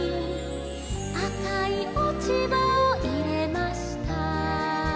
「赤い落ち葉を入れました」